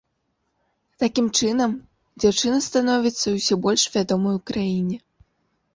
Такім чынам дзяўчына становіцца ўсё больш вядомай у краіне.